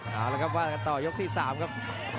เอาละครับวันต่อยกที่สามครับ